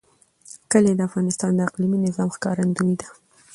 کلي د افغانستان د اقلیمي نظام ښکارندوی ده.